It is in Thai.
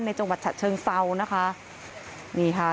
ในจังหวัดฉธเชิงเศร้านี่ค่ะ